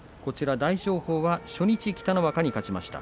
大翔鵬は初日、北の若に勝ちました。